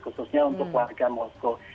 khususnya untuk warga moskow